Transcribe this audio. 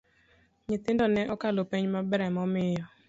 Nyithindo ne okalo penj maber emomiyo